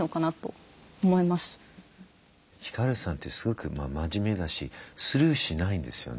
ひかるさんってすごく真面目だしスルーしないんですよね。